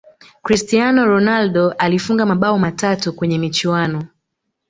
cristiano ronaldo alifunga mabao matatu kwenye michuano